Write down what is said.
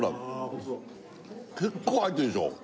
ホントだ結構入ってるでしょ